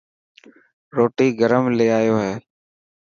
روٽي گرم لي آيو هي.